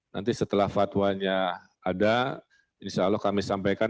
nanti setelah fatwanya ada insya allah kami sampaikan